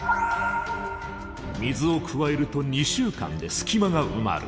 水を加えると２週間で隙間が埋まる。